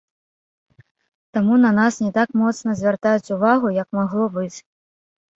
Таму на нас не так моцна звяртаюць увагу, як магло быць.